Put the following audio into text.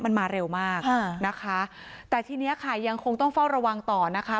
มันมาเร็วมากนะคะแต่ทีเนี้ยค่ะยังคงต้องเฝ้าระวังต่อนะคะ